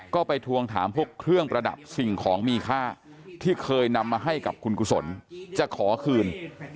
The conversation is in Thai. ก็ไปทวงถามพวกเครื่องประดับสิ่งของมีค่าที่เคยนำมาให้กับคุณกุศลจะขอคืน